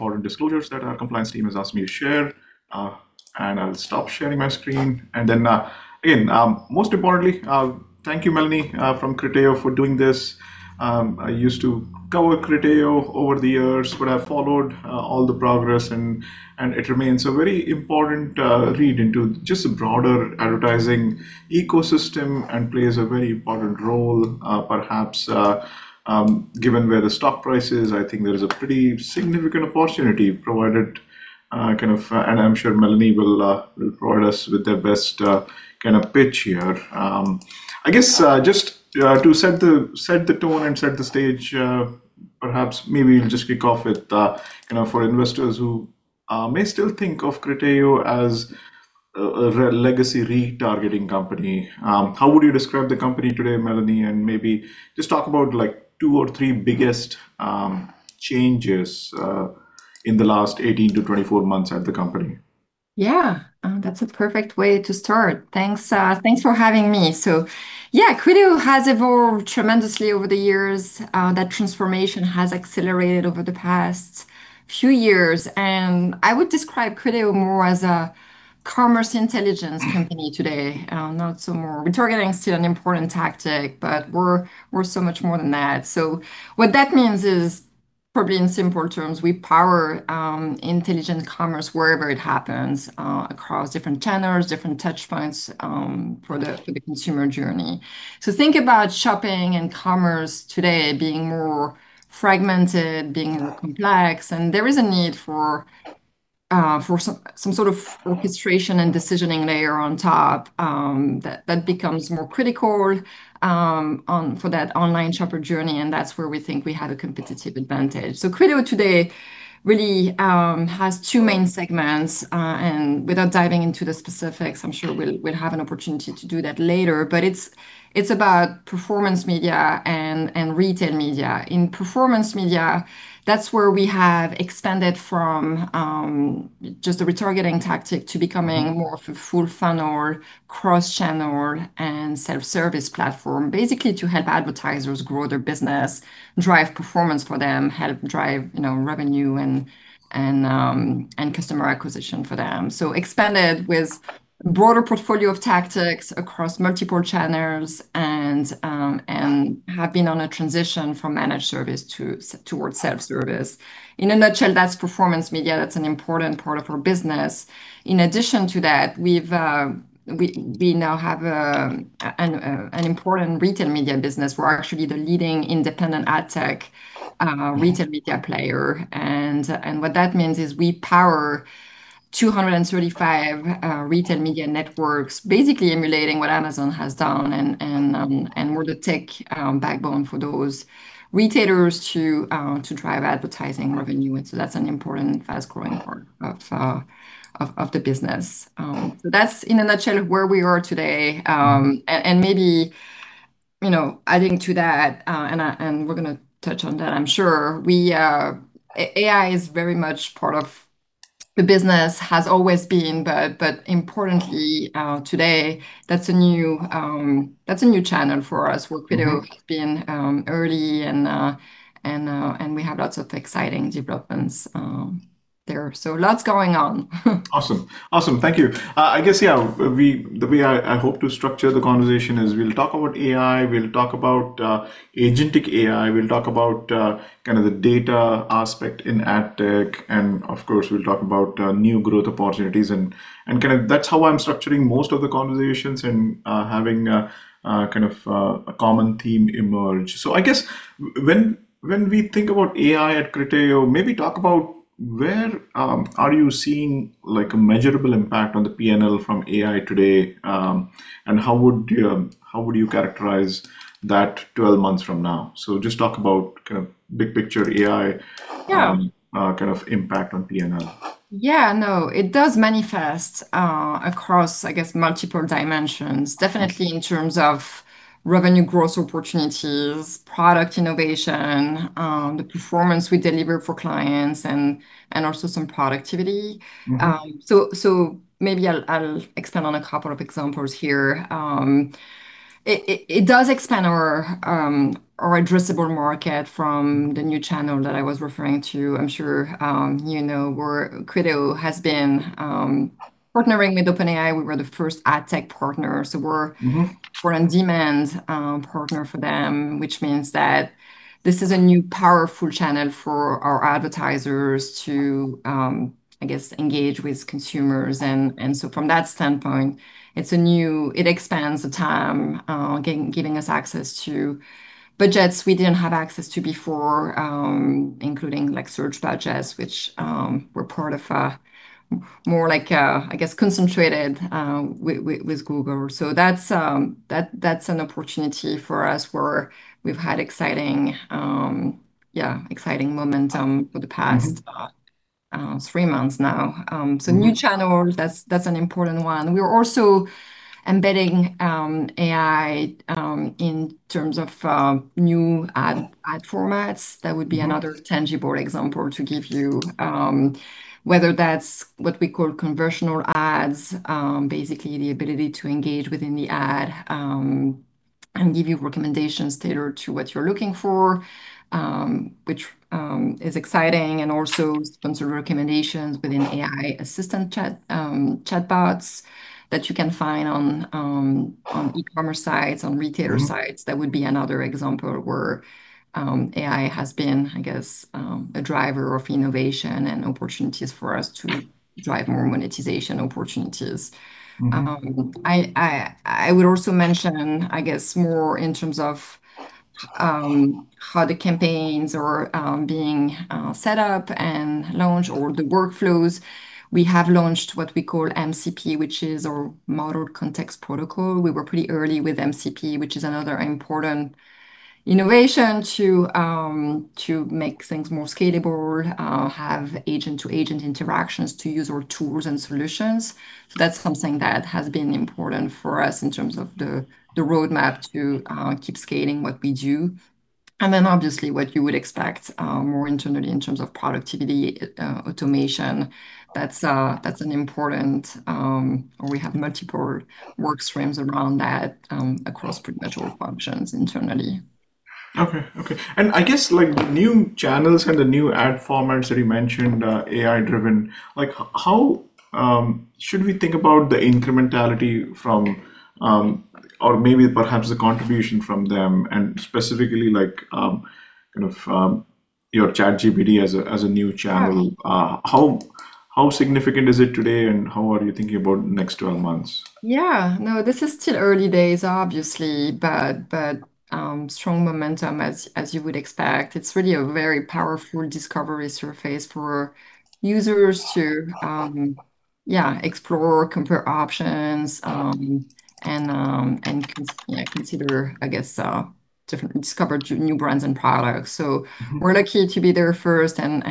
All the disclosures that our compliance team has asked me to share. I'll stop sharing my screen. Again, most importantly, thank you, Melanie, from Criteo for doing this. I used to cover Criteo over the years, but I followed all the progress and it remains a very important read into just the broader advertising ecosystem and plays a very important role. Perhaps, given where the stock price is, I think there is a pretty significant opportunity provided, and I'm sure Melanie will provide us with their best pitch here. Just to set the tone and set the stage, perhaps maybe we'll just kick off with for investors who may still think of Criteo as a legacy retargeting company. How would you describe the company today, Melanie? Maybe just talk about two or three biggest changes in the last 18-24 months at the company. And that's a perfect way to start. Thanks for having me. Criteo has evolved tremendously over the years. That transformation has accelerated over the past few years, and I would describe Criteo more as a commerce intelligence company today, not so more Retargeting is still an important tactic, but we're so much more than that. What that means is, probably in simple terms, we power intelligent commerce wherever it happens, across different channels, different touch points for the consumer journey. Think about shopping and commerce today being more fragmented, being more complex, and there is a need for some sort of orchestration and decisioning layer on top, that becomes more critical for that online shopper journey. That's where we think we have a competitive advantage. Criteo today really has two main segments. Without diving into the specifics, I'm sure we'll have an opportunity to do that later. It's about performance media and retail media. In performance media, that's where we have expanded from just a retargeting tactic to becoming more of a full funnel, cross-channel and self-service platform, basically to help advertisers grow their business, drive performance for them, help drive revenue and customer acquisition for them. Expanded with broader portfolio of tactics across multiple channels and have been on a transition from managed service towards self-service. In a nutshell, that's performance media. That's an important part of our business. In addition to that, we now have an important retail media business. We're actually the leading independent ad tech retail media player. What that means is we power 235 retail media networks, basically emulating what Amazon has done. We're the tech backbone for those retailers to drive advertising revenue. That's an important fast-growing part of the business. That's in a nutshell where we are today. Maybe adding to that, and we're going to touch on that, I'm sure, AI is very much part of the business, has always been, but importantly, today, that's a new channel for us where Criteo has been early and we have lots of exciting developments there. Lots going on. Awesome. Thank you. I guess, yeah, the way I hope to structure the conversation is we'll talk about AI, we'll talk about agentic AI, we'll talk about kind of the data aspect in ad tech, and of course, we'll talk about new growth opportunities. That's how I'm structuring most of the conversations and having a common theme emerge. I guess when we think about AI at Criteo, maybe talk about where are you seeing a measurable impact on the P&L from AI today, and how would you characterize that 12 months from now? Just talk about kind of big picture AI- Yeah kind of impact on P&L. Yeah, no. It does manifest across, I guess, multiple dimensions. Definitely in terms of revenue growth opportunities, product innovation, the performance we deliver for clients, and also some productivity. So maybe I'll expand on a couple of examples here. It does expand our addressable market from the new channel that I was referring to. I'm sure you know where Criteo has been partnering with OpenAI. We were the first ad-tech partner. We're on-demand partner for them, which means that this is a new powerful channel for our advertisers to, I guess, engage with consumers. From that standpoint, it expands the TAM, giving us access to budgets we didn't have access to before, including search budgets, which were part of more like, I guess, concentrated with Google. That's an opportunity for us where we've had exciting momentum for the past- Three months now. New channel, that's an important one. We're also embedding AI in terms of new ad formats. That would be another tangible example to give you. Whether that's what we call conversational ads, basically the ability to engage within the ad and give you recommendations tailored to what you're looking for, which is exciting, and also sponsored recommendations within AI assistant chatbots that you can find on e-commerce sites, on retailer sites. That would be another example where AI has been, I guess, a driver of innovation and opportunities for us to drive more monetization opportunities. I would also mention, I guess, more in terms of how the campaigns are being set up and launched or the workflows. We have launched what we call MCP, which is our Model Context Protocol. We were pretty early with MCP, which is another important innovation to make things more scalable, have agent-to-agent interactions to use our tools and solutions. That's something that has been important for us in terms of the roadmap to keep scaling what we do. And then obviously what you would expect more internally in terms of productivity, automation. Thats an important, we have multiple work streams around that across pretty much all functions internally. Okay. I guess like new channels and the new AI-driven ad formats that you mentioned, how should we think about the incrementality from, or maybe perhaps the contribution from them and specifically your ChatGPT as a new channel. Yeah. How significant is it today? How are you thinking about next 12 months? This is still early days, obviously, but strong momentum as you would expect. It's really a very powerful discovery surface for users to explore, compare options, and consider, I guess, discover new brands and products. We're lucky to be there first and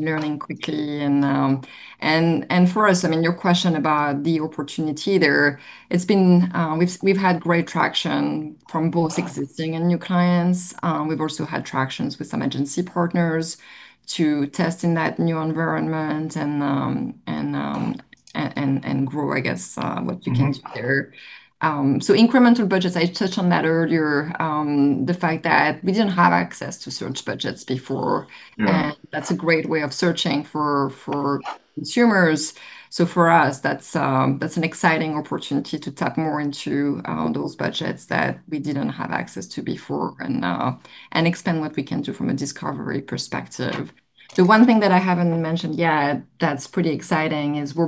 learning quickly and, for us, I mean, your question about the opportunity there, we've had great traction from both existing and new clients. We've also had tractions with some agency partners to test in that new environment and grow. what you can do there. Incremental budgets, I touched on that earlier. The fact that we didn't have access to search budgets before- Yeah That's a great way of searching for consumers. For us, that's an exciting opportunity to tap more into those budgets that we didn't have access to before and expand what we can do from a discovery perspective. The one thing that I haven't mentioned yet that's pretty exciting is we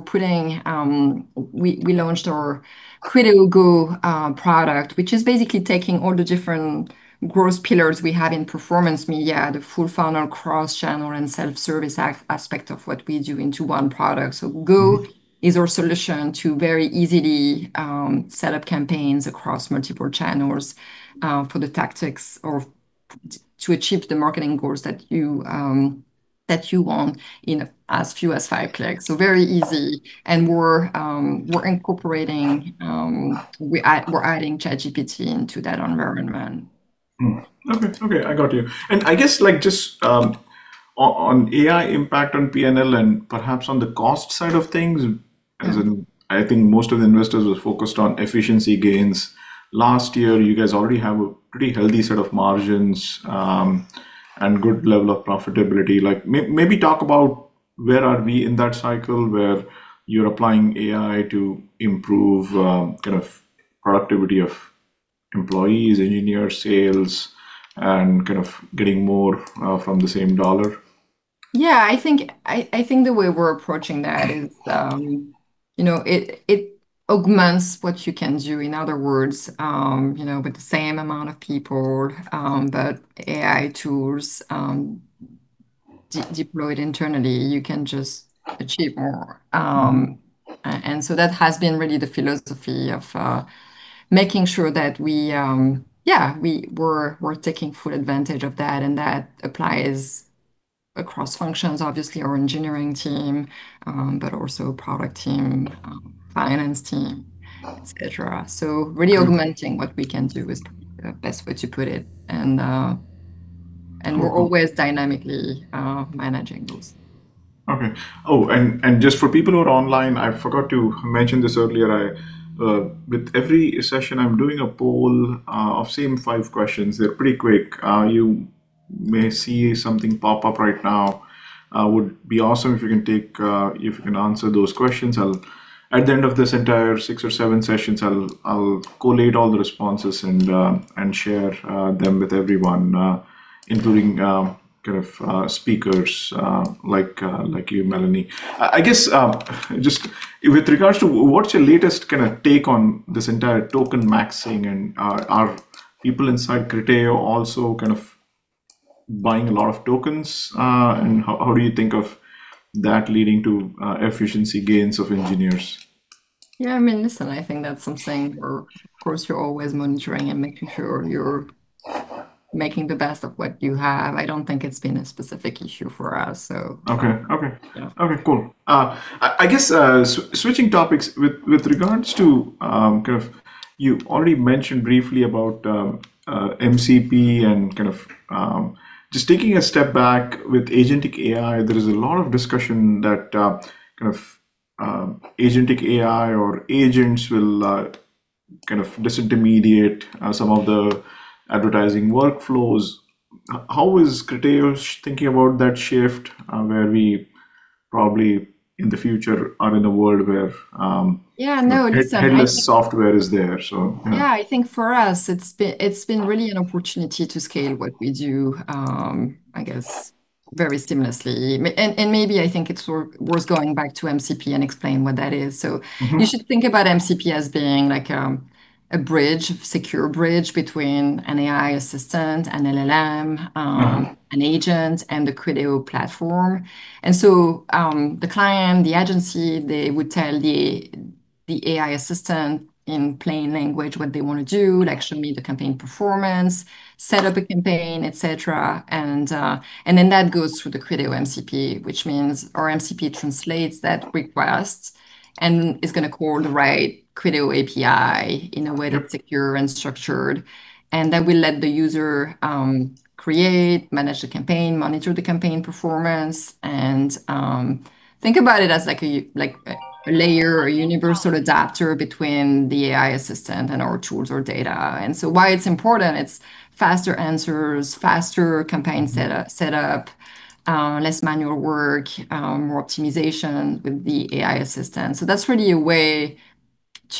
launched our Criteo GO product, which is basically taking all the different growth pillars we had in performance media, the full funnel cross-channel and self-service aspect of what we do into one product. GO is our solution to very easily set up campaigns across multiple channels for the tactics or to achieve the marketing goals that you want in as few as five clicks. Very easy. And we are incorporating, we're adding ChatGPT into that environment. Okay. I got you. I guess just on AI impact on P&L and perhaps on the cost side of things, as in, I think most of the investors were focused on efficiency gains. Last year, you guys already have a pretty healthy set of margins, and good level of profitability. Maybe talk about where are we in that cycle where you're applying AI to improve productivity of employees, engineers, sales, and kind of getting more from the same dollar. Yeah. I think the way we're approaching that is it augments what you can do. In other words, with the same amount of people that AI tools deployed internally, you can just achieve more. That has been really the philosophy of making sure that we're taking full advantage of that, and that applies across functions, obviously our engineering team, but also product team, finance team, et cetera. Really augmenting what we can do is probably the best way to put it. we're always dynamically managing those. Just for people who are online, I forgot to mention this earlier, with every session I'm doing a poll of same five questions. They're pretty quick. You may see something pop up right now. Would be awesome if you can answer those questions. At the end of this entire six or seven sessions, I'll collate all the responses and share them with everyone, including speakers like you, Melanie. I guess, just with regards to what's your latest take on this entire token maxing and are people inside Criteo also kind of buying a lot of tokens? And how do you think of that leading to efficiency gains of engineers? Yeah, I mean, listen, I think that's something where, of course, you're always monitoring and making sure you're making the best of what you have. I don't think it's been a specific issue for us. Okay. Yeah. Okay, cool. I guess, switching topics, with regards to, you already mentioned briefly about MCP and just taking a step back. With Agentic AI, there is a lot of discussion that kind of Agentic AI or agents will kind of disintermediate some of the advertising workflows. How is Criteo thinking about that shift, where we probably in the future are in a world where. Yeah, no, listen, I think. headless software is there. Yeah I think for us, it's been really an opportunity to scale what we do, I guess, very seamlessly. Maybe I think it's worth going back to MCP and explain what that is. You should think about MCP as being a secure bridge between an AI assistant, an LLM. An agent, and the Criteo platform. The client, the agency, they would tell the AI assistant in plain language what they want to do, like show me the campaign performance, set up a campaign, et cetera. That goes through the Criteo MCP, which means our MCP translates that request and is going to call the right Criteo API in a way that's secure and structured. That will let the user create, manage the campaign, monitor the campaign performance and think about it as like a layer or universal adapter between the AI assistant and our tools or data. Why it's important, it's faster answers, faster campaign set up, less manual work, more optimization with the AI assistant.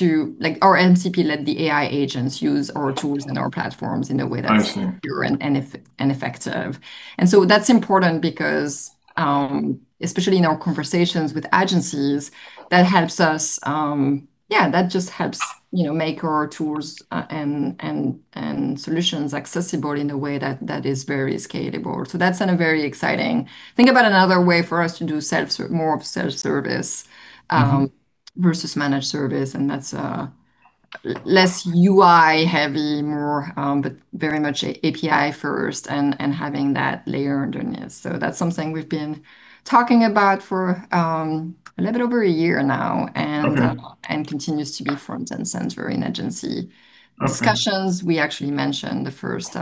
Our MCP let the AI agents use our tools and our platforms in a way that's- I see secure and effective. That's important because, especially in our conversations with agencies, that just helps make our tools and solutions accessible in a way that is very scalable. That's been a very exciting. Think about another way for us to do more of self-service- versus managed service, that's less UI heavy, more but very much API first and having that layer underneath. That's something we've been talking about for a little bit over a year now and- Okay continues to be front and center in agency discussions. Okay. We actually mentioned the first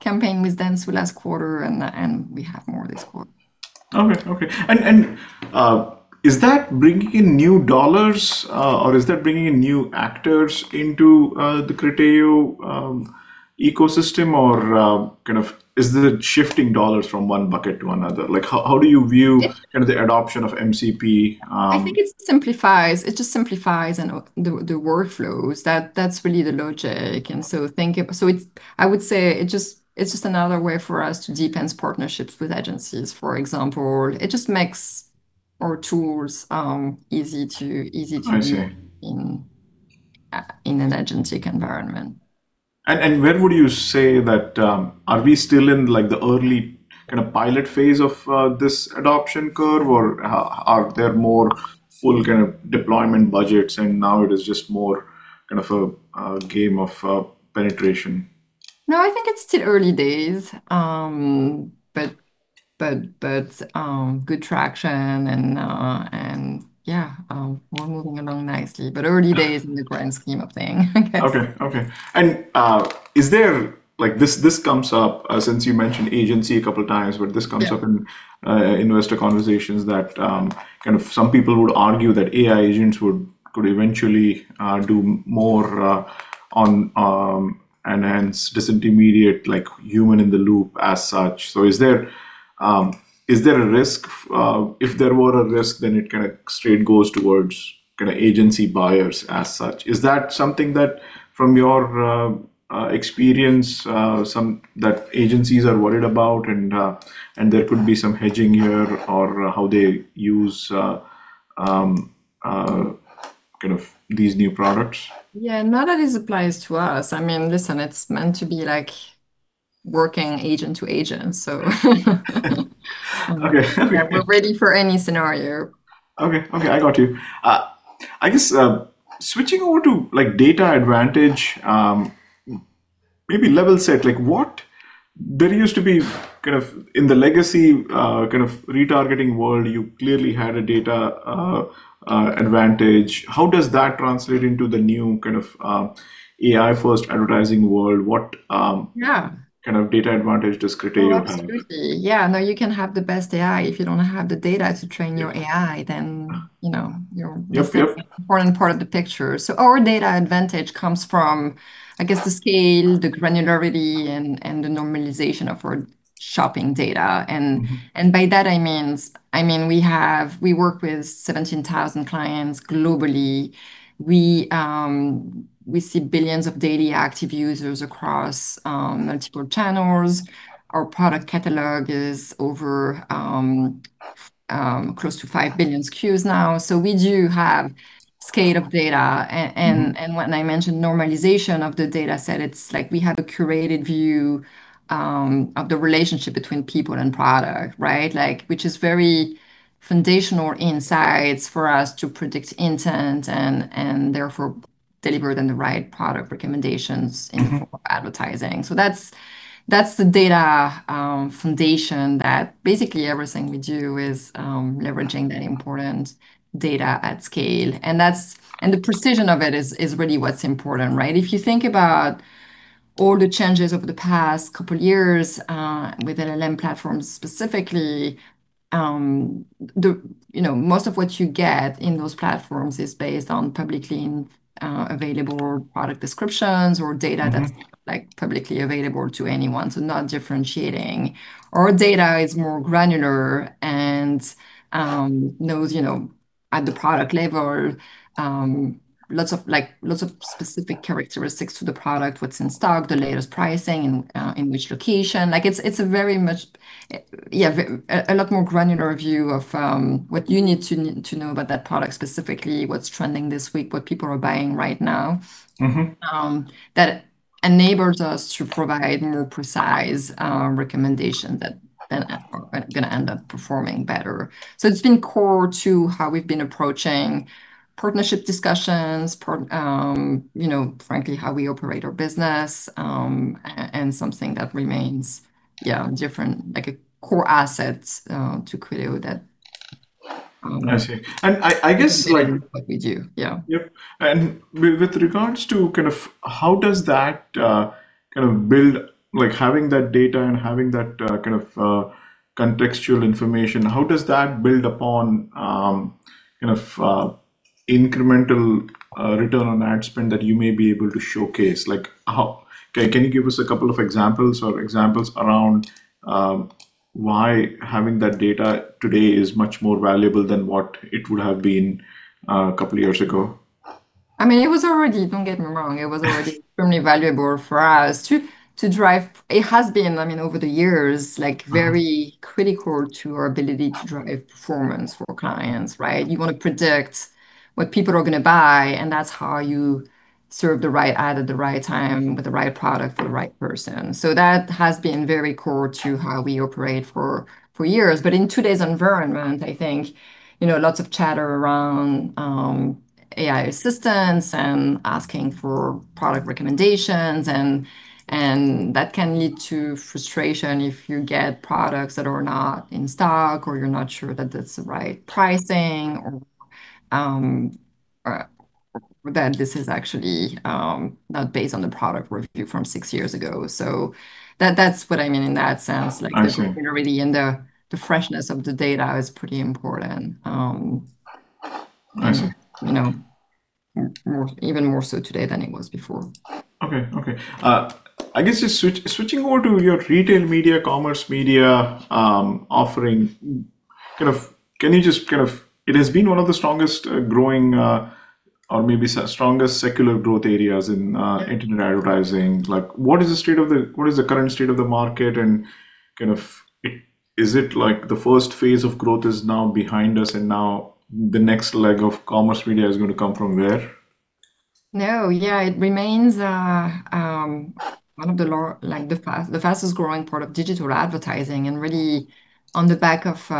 campaign with them last quarter, and we have more this quarter. Okay. Is that bringing in new Dollars, or is that bringing in new actors into the Criteo ecosystem? Is it shifting Dollars from one bucket to another? How do you view kind of the adoption of MCP? I think it just simplifies the workflows. That's really the logic. I would say it's just another way for us to deepen partnerships with agencies, for example. It just makes our tools easy to use. I see. in an agentic environment. When would you say that? Are we still in the early kind of pilot phase of this adoption curve, or are there more full kind of deployment budgets and now it is just more kind of a game of penetration? No, I think it's still early days, but good traction and yeah, we're moving along nicely, but early days in the grand scheme of things. Okay. This comes up, since you mentioned agency a couple of times, but this comes up in investor conversations that kind of some people would argue that AI agents could eventually do more and hence disintermediate human in the loop as such. Is there a risk? If there were a risk, it kind of straight goes towards kind of agency buyers as such. Is that something that, from your experience that agencies are worried about and there could be some hedging here or how they use kind of these new products? Yeah. None of this applies to us. Listen, it's meant to be like working agent to agent. Okay. We're ready for any scenario. Okay. I got you. I guess, switching over to data advantage, maybe level set. There used to be kind of in the legacy retargeting world, you clearly had a data advantage. How does that translate into the new kind of AI first advertising world? Yeah kind of data advantage does Criteo have? Oh, absolutely. Yeah, no, you can have the best AI. If you don't have the data to train your AI, then you're- Yep missing an important part of the picture. Our data advantage comes from, I guess, the scale, the granularity and the normalization of our shopping data. By that, I mean we work with 17,000 clients globally. We see billions of daily active users across multiple channels. Our product catalog is over close to 5 billion SKUs now. We do have scale of data and when I mention normalization of the data set, it's like we have a curated view of the relationship between people and product, right? Which is very foundational insights for us to predict intent and therefore deliver then the right product recommendations in- advertising. That's the data foundation that basically everything we do is leveraging that important data at scale. The precision of it is really what's important, right? If you think about all the changes over the past couple of years with LLM platforms specifically. Most of what you get in those platforms is based on publicly available product descriptions or data that's publicly available to anyone, so not differentiating. Our data is more granular and knows at the product level lots of specific characteristics to the product, what's in stock, the latest pricing, in which location. It's a lot more granular view of what you need to know about that product specifically, what's trending this week, what people are buying right now. That enables us to provide more precise recommendation that are going to end up performing better. It's been core to how we've been approaching partnership discussions, frankly, how we operate our business, and something that remains different, like a core asset to Criteo that- I see. I guess like- What we do. Yeah. Yep. With regards to how does that build, having that data and having that kind of contextual information, how does that build upon incremental return on ad spend that you may be able to showcase? Can you give us a couple of examples around why having that data today is much more valuable than what it would have been a couple of years ago? Don't get me wrong, it has been, over the years, very critical to our ability to drive performance for clients, right? You want to predict what people are going to buy, and that's how you serve the right ad at the right time with the right product for the right person. That has been very core to how we operate for years. But in today's environment, I think, lots of chatter around AI assistance and asking for product recommendations, and that can lead to frustration if you get products that are not in stock or you're not sure that that's the right pricing or that this is actually not based on the product review from six years ago. That's what I mean in that sense. I see. The integrity and the freshness of the data is pretty important. I see. Even more so today than it was before. Okay. I guess just switching over to your retail media, commerce media offering, it has been one of the strongest growing or maybe strongest secular growth areas in internet advertising. What is the current state of the market, and is it like the first phase of growth is now behind us and now the next leg of commerce media is going to come from where? No. Yeah. It remains one of the fastest growing part of digital advertising, and really on the back of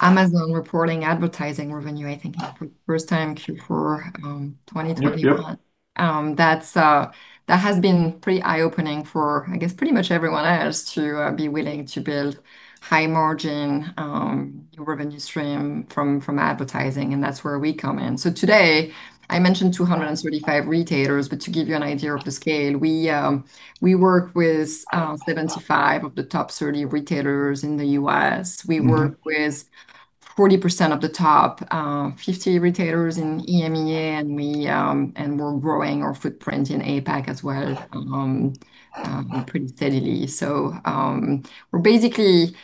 Amazon reporting advertising revenue, I think for the first time Q4 2021. Yep. That has been pretty eye-opening for, I guess, pretty much everyone else to be willing to build high margin revenue stream from advertising, and that's where we come in. Today I mentioned 235 retailers, but to give you an idea of the scale, we work with 75 of the top 30 retailers in the U.S. We work with 40% of the top 50 retailers in EMEA, and we're growing our footprint in APAC as well pretty steadily. Basically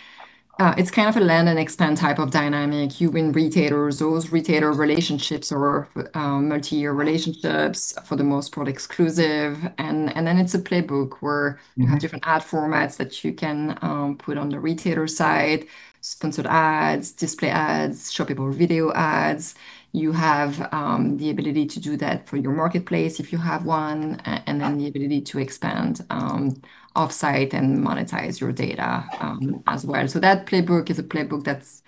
it's kind of a land and expand type of dynamic. You win retailers, those retailer relationships are multi-year relationships, for the most part exclusive, and then it's a playbook where you have different ad formats that you can put on the retailer side, sponsored ads, display ads, shoppable video ads. You have the ability to do that for your marketplace if you have one, and then the ability to expand offsite and monetize your data as well. That playbook is a playbook that's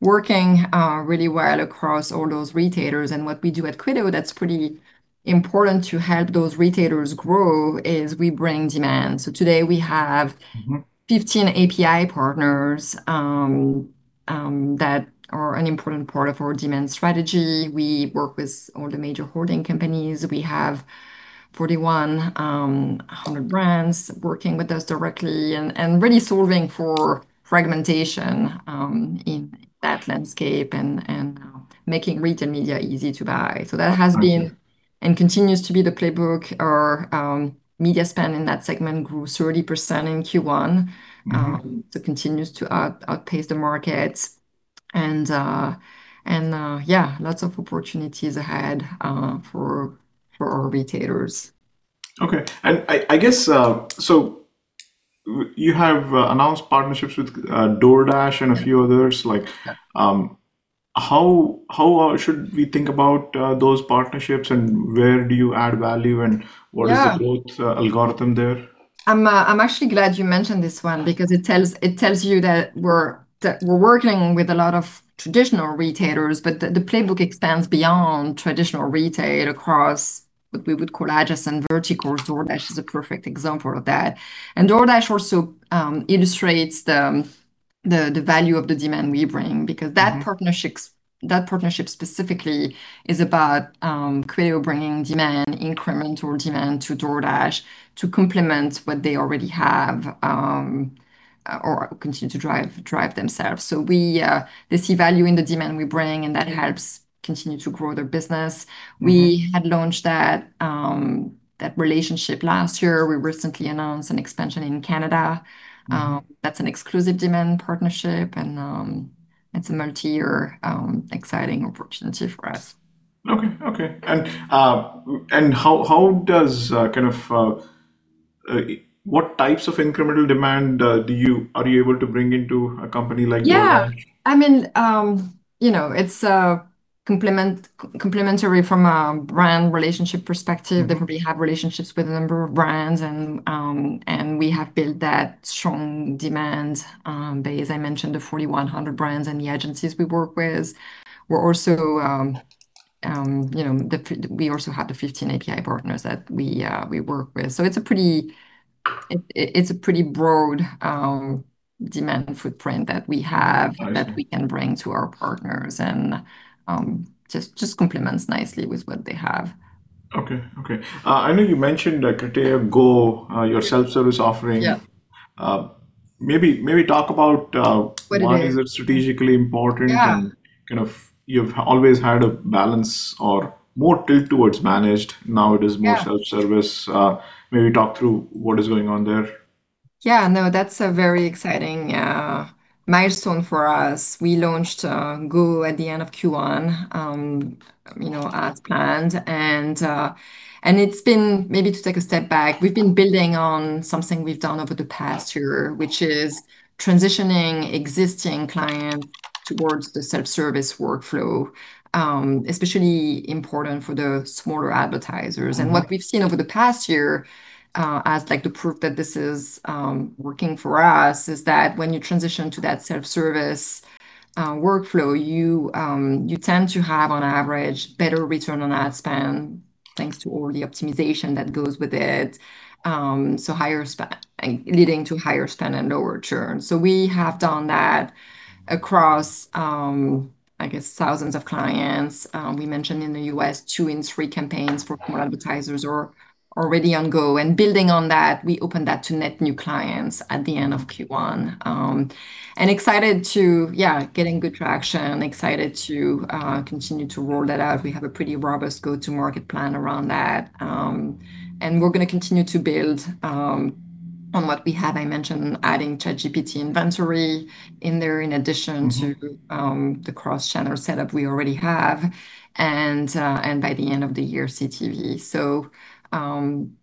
working really well across all those retailers. What we do at Criteo that's pretty important to help those retailers grow is we bring demand. Today we have 15 API partners that are an important part of our demand strategy. We work with all the major holding companies. We have 4,100 brands working with us directly and really solving for fragmentation in that landscape and making retail media easy to buy. That has been I see continues to be the playbook. Our media spend in that segment grew 30% in Q1. continues to outpace the markets and, yeah, lots of opportunities ahead for our retailers. Okay. I guess, you have announced partnerships with DoorDash and a few others. Yeah How should we think about those partnerships, and where do you add value? Yeah the growth algorithm there? I'm actually glad you mentioned this one because it tells you that we're working with a lot of traditional retailers, but the playbook expands beyond traditional retail across what we would call adjacent verticals. DoorDash is a perfect example of that. DoorDash also illustrates the value of the demand we bring because that partnership specifically is about Criteo bringing demand, incremental demand to DoorDash to complement what they already have or continue to drive themselves. They see value in the demand we bring, and that helps continue to grow their business. We had launched that relationship last year. We recently announced an expansion in Canada. That's an exclusive demand partnership it's a multi-year exciting opportunity for us. Okay. What types of incremental demand are you able to bring into a company like DoorDash? Yeah. It's complementary from a brand relationship perspective. Definitely have relationships with a number of brands, and we have built that strong demand base. I mentioned the 4,100 brands and the agencies we work with. We also have the 15 API partners that we work with. It's a pretty broad demand footprint that we have. I see that we can bring to our partners and just complements nicely with what they have. Okay. I know you mentioned Criteo GO, your self-service offering. Yeah. Maybe talk about. What it is? why is it strategically important? Yeah You've always had a balance or more tilt towards managed. Now it is more. Yeah self-service. Maybe talk through what is going on there. Yeah, no, that's a very exciting milestone for us. We launched GO at the end of Q1, as planned, and maybe to take a step back, we've been building on something we've done over the past year, which is transitioning existing clients towards the self-service workflow, especially important for the smaller advertisers. What we've seen over the past year, as the proof that this is working for us, is that when you transition to that self-service workflow, you tend to have, on average, better return on ad spend thanks to all the optimization that goes with it leading to higher spend and lower churn. We have done that across, I guess, thousands of clients. We mentioned in the U.S., two in three campaigns for performance advertisers are already on Go. Building on that, we opened that to net new clients at the end of Q1. Excited to, getting good traction, excited to continue to roll that out. We have a pretty robust go-to market plan around that. We're going to continue to build on what we have. I mentioned adding ChatGPT inventory in there, in addition to the cross-channel setup we already have. By the end of the year, CTV.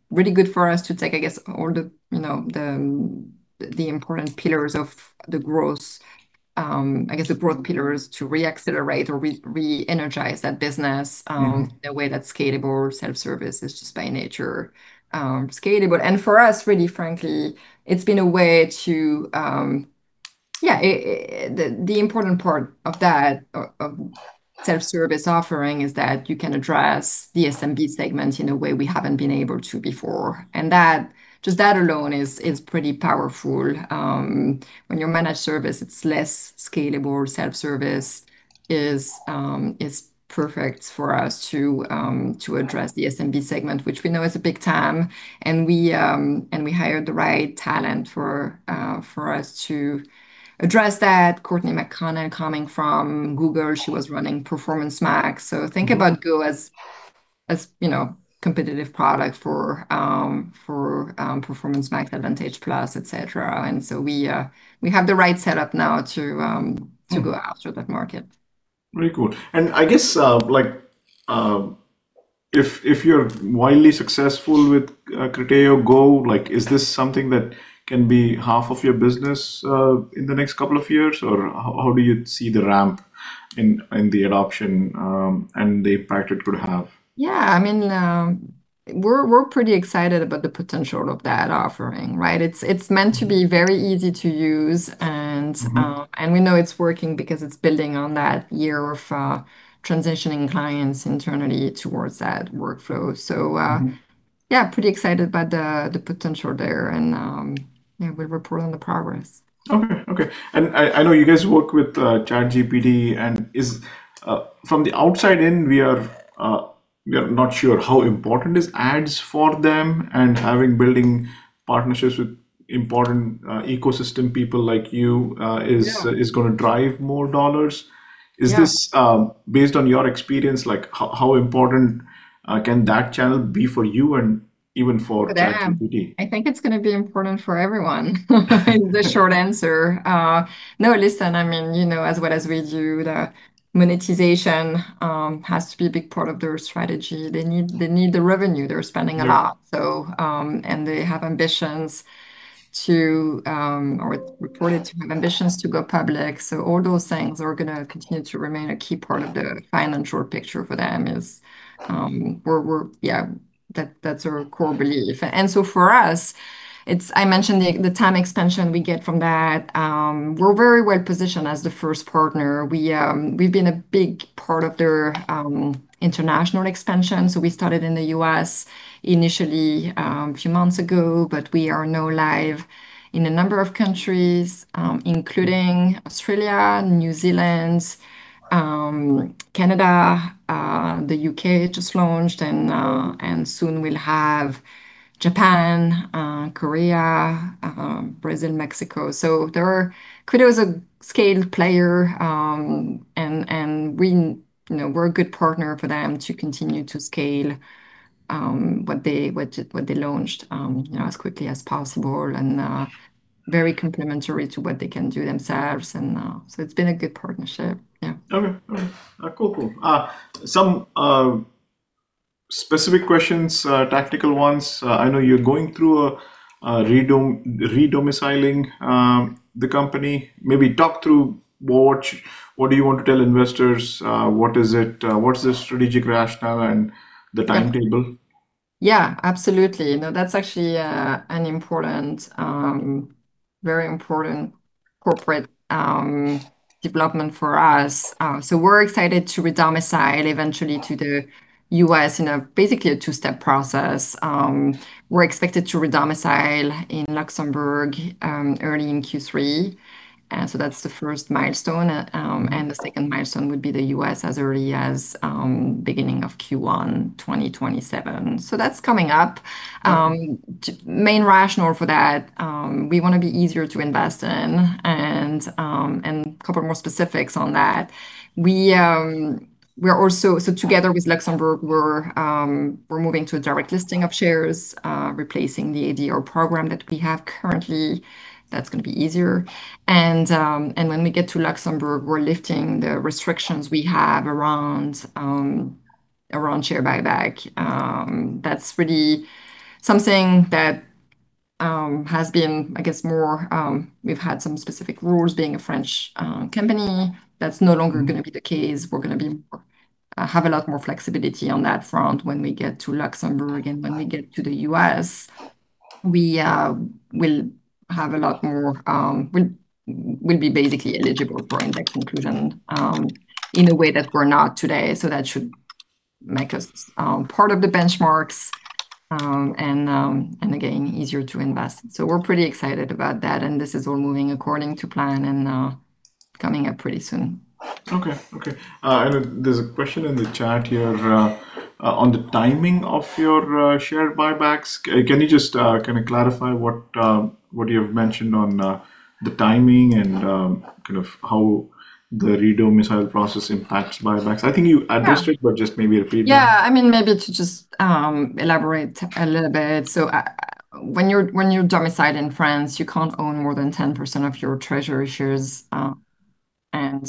Really good for us to take, I guess, all the important pillars of the growth, I guess, the broad pillars to re-accelerate or re-energize that business in a way that's scalable. Self-service is just by nature scalable. For us, really, frankly, it's been a way to The important part of that, of self-service offering is that you can address the SMB segment in a way we haven't been able to before, and just that alone is pretty powerful. When you're managed service, it's less scalable. Self-service is perfect for us to address the SMB segment, which we know is a big TAM, and we hired the right talent for us to address that. Courtney MacConnell coming from Google. She was running Performance Max. Think about Go as competitive product for Performance Max, Advantage plus, et cetera. We have the right setup now to go after that market. Very cool. I guess if you're wildly successful with Criteo GO, is this something that can be half of your business in the next couple of years? Or how do you see the ramp in the adoption, and the impact it could have? We're pretty excited about the potential of that offering, right? It's meant to be very easy to use. We know it's working because it's building on that year of transitioning clients internally towards that workflow. Pretty excited about the potential there. We'll report on the progress. Okay. I know you guys work with ChatGPT and from the outside in, we are not sure how important is ads for them and having building partnerships with important ecosystem people like you. Yeah is going to drive more dollars. Yeah. Based on your experience, how important can that channel be for you and even for ChatGPT? For them? I think it's going to be important for everyone, is the short answer. No, listen, as well as we do the monetization has to be a big part of their strategy. They need the revenue. They're spending a lot, so. Yeah. They have ambitions to, or reported to have ambitions to go public. All those things are going to continue to remain a key part of the financial picture for them. That's our core belief. For us, I mentioned the TAM expansion we get from that. We're very well-positioned as the first partner. We've been a big part of their international expansion. We started in the U.S. initially a few months ago, but we are now live in a number of countries, including Australia, New Zealand, Canada, the U.K. just launched, and soon we'll have Japan, Korea, Brazil, Mexico. Criteo is a scaled player, and we're a good partner for them to continue to scale what they launched as quickly as possible and very complementary to what they can do themselves. It's been a good partnership. Yeah. Okay. All right. Cool. Some specific questions, tactical ones. I know you're going through re-domiciling the company. Maybe talk through what do you want to tell investors? What is it? What is the strategic rationale and the timetable? Yeah, absolutely. No, that's actually a very important corporate development for us. We're excited to re-domicile eventually to the U.S. in basically a two-step process. We're expected to re-domicile in Luxembourg early in Q3. That's the first milestone. The second milestone would be the U.S. as early as beginning of Q1 2027. That's coming up. Main rationale for that, we want to be easier to invest in and a couple more specifics on that. Together with Luxembourg, we're moving to a direct listing of shares, replacing the ADR program that we have currently. That's going to be easier. When we get to Luxembourg, we're lifting the restrictions we have around share buyback. That's really something that has been, I guess, we've had some specific rules being a French company. That's no longer going to be the case. We're going to have a lot more flexibility on that front when we get to Luxembourg. When we get to the U.S., we'll be basically eligible for index inclusion in a way that we're not today. That should make us part of the benchmarks, and again, easier to invest. We're pretty excited about that, and this is all moving according to plan and coming up pretty soon. Okay. There's a question in the chat here on the timing of your share buybacks. Can you just clarify what you have mentioned on the timing and how the re-domicile process impacts buybacks? I think you addressed it, but just maybe repeat. Yeah. Maybe to just elaborate a little bit. When you're domiciled in France, you can't own more than 10% of your treasury shares. That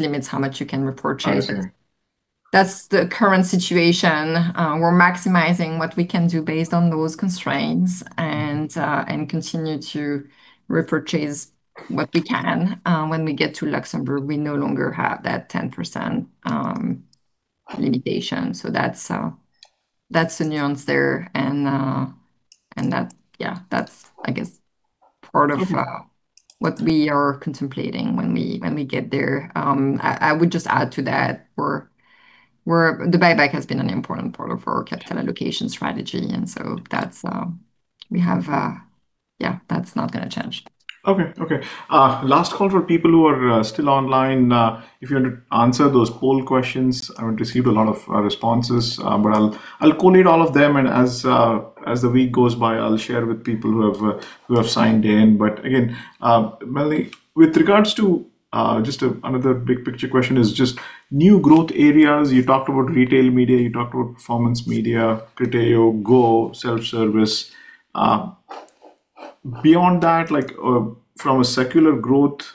limits how much you can repurchase. Oh, okay. That's the current situation. We're maximizing what we can do based on those constraints and continue to repurchase what we can. When we get to Luxembourg, we no longer have that 10% limitation. That's the nuance there. That, yeah, that's I guess part of. Okay what we are contemplating when we get there. I would just add to that, the buyback has been an important part of our capital allocation strategy. That's not going to change. Okay. Last call for people who are still online. If you want to answer those poll questions, I want to receive a lot of responses. I'll collate all of them, as the week goes by, I'll share with people who have signed in. Again, Melanie, with regards to just another big picture question is just new growth areas. You talked about retail media. You talked about performance media, Criteo GO, self-service. Beyond that, from a secular growth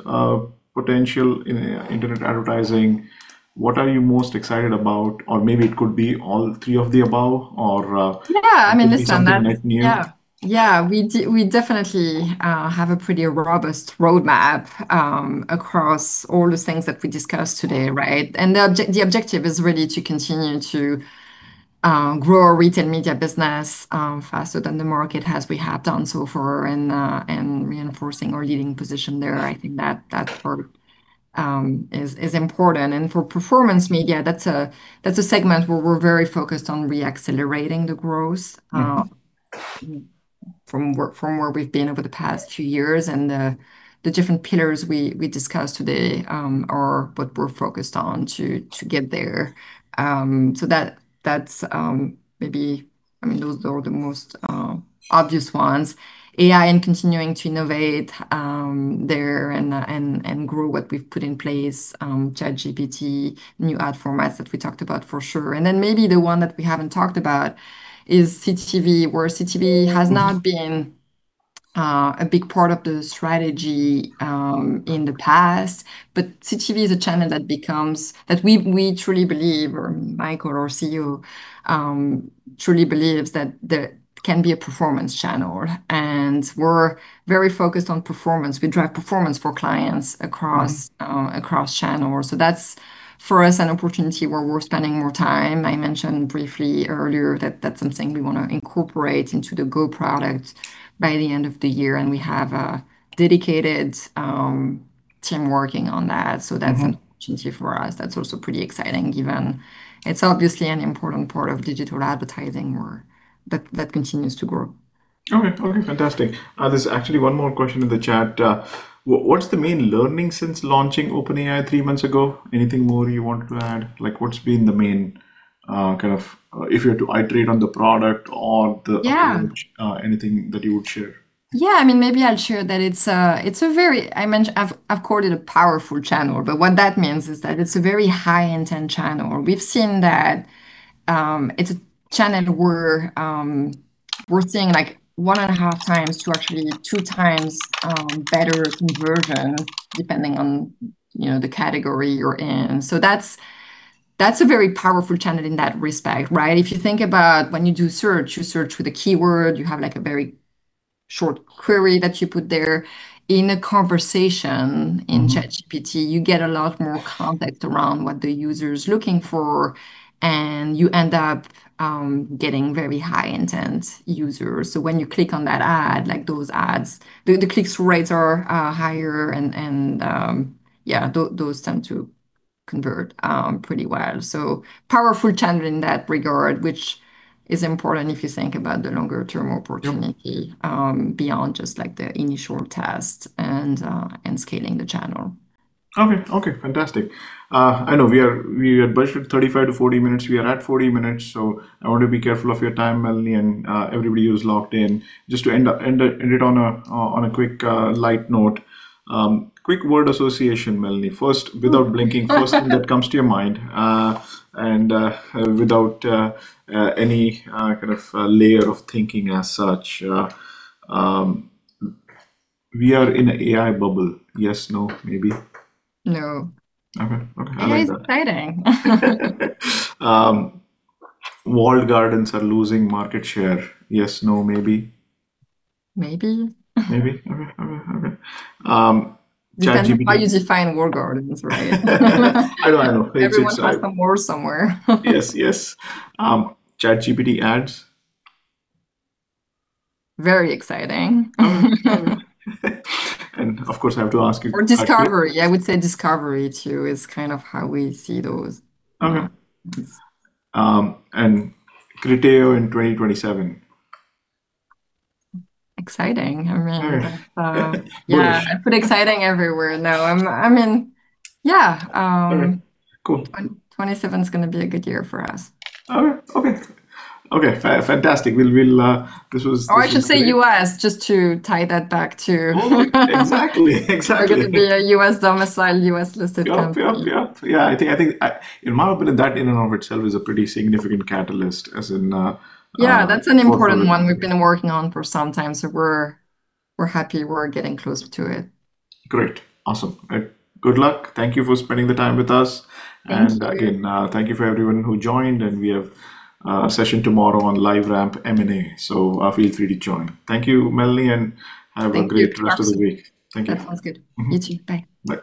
potential in internet advertising, what are you most excited about? Maybe it could be all three of the above or. Yeah, I understand that. Something that you. Yeah. We definitely have a pretty robust roadmap across all the things that we discussed today, right? The objective is really to continue to grow our retail media business faster than the market has, we have done so far and reinforcing our leading position there. I think that part is important. For performance media, that's a segment where we're very focused on re-accelerating the growth. from where we've been over the past few years. The different pillars we discussed today are what we're focused on to get there. That's maybe those are the most obvious ones. AI and continuing to innovate there and grow what we've put in place, ChatGPT, new ad formats that we talked about for sure. Then maybe the one that we haven't talked about is CTV, where CTV has not been a big part of the strategy in the past, but CTV is a channel that we truly believe, or Michael, our CEO truly believes that can be a performance channel. We're very focused on performance. We drive performance for clients across channels. That's, for us, an opportunity where we're spending more time. I mentioned briefly earlier that that's something we want to incorporate into the GO product by the end of the year. We have a dedicated team working on that. That's an opportunity for us. That's also pretty exciting, given it's obviously an important part of digital advertising where that continues to grow. Okay. Fantastic. There's actually one more question in the chat. What's the main learning since launching OpenAI 3 months ago? Anything more you wanted to add? What's been the main kind of, if you had to iterate on the product or Yeah anything that you would share? Yeah, maybe I'll share that it's a very, I've called it a powerful channel. What that means is that it's a very high-intent channel. We've seen that it's a channel where we're seeing 1.5x to actually 2x better conversion depending on the category you're in. That's a very powerful channel in that respect, right? If you think about when you do search, you search with a keyword, you have a very short query that you put there. In a conversation in ChatGPT, you get a lot more context around what the user is looking for, and you end up getting very high-intent users. When you click on that ad, those ads, the clicks rates are higher and, yeah, those tend to convert pretty well. Powerful channel in that regard, which is important if you think about the longer-term opportunity- Yep beyond just the initial test and scaling the channel. Okay. Fantastic. I know we are budgeted 35-40 minutes. We are at 40 minutes, I want to be careful of your time, Melanie, and everybody who's logged in. Just to end it on a quick light note. Quick word association, Melanie. First. Ooh Without blinking, first thing that comes to your mind, and without any kind of layer of thinking as such. We are in an AI bubble. Yes, no, maybe? No. Okay. I like that. It is exciting. Walled gardens are losing market share. Yes, no, maybe? Maybe. Maybe? Okay. ChatGPT. Depends how you define walled gardens, right? I know. It's like. Everyone has some walls somewhere. Yes. ChatGPT ads? Very exciting. Of course, I have to ask you. Discovery. Yeah, I would say discovery, too, is kind of how we see those. Okay. Criteo in 2027? Exciting. I mean. Okay. Bullish. Yeah. I put exciting everywhere. No, I mean, yeah. All right. Cool. 2027 is going to be a good year for us. Okay. Fantastic. This was great. I should say U.S., just to tie that back to Oh, exactly. We're going to be a U.S. domicile, U.S.-listed company. Yep. Yeah, I think, in my opinion, that in and of itself is a pretty significant catalyst. Yeah, that's an important one we've been working on for some time, so we're happy we're getting close to it. Great. Awesome. Good luck. Thank you for spending the time with us. Thanks. Again, thank you for everyone who joined. We have a session tomorrow on LiveRamp M&A. Feel free to join. Thank you, Melanie. Thank you have a great rest of the week. Thank you. Sounds good. You too. Bye. Bye,